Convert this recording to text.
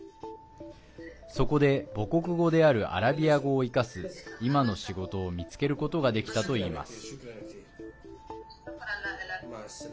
そこで、母国語であるアラビア語を生かす今の仕事を見つけることができたといいます。